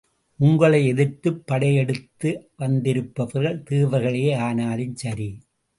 உங்களை எதிர்த்துப் படையெடுத்து வந்திருப்பவர்கள் தேவர்களே ஆனாலும் சரி!